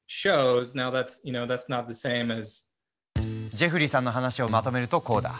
ジェフリーさんの話をまとめるとこうだ。